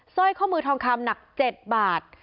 สร้อยข้อมือทองคำหนัก๗บาท